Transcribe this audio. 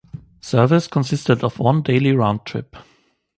Service consisted of one daily round trip.